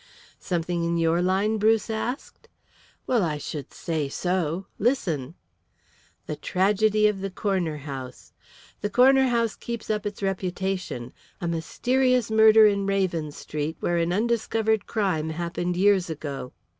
"Something in your line?" Bruce asked. "Well, I should say so. Listen:" "'The Tragedy of the Corner House.'" "'The Corner House keeps up its reputation. A mysterious murder in Raven Street where an undiscovered crime happened years ago.